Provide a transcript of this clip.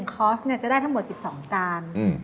คอร์สจะได้ทั้งหมด๑๒จาน